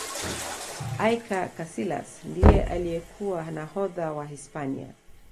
iker casilas ndiye aliyekuwa nahodha wa hispania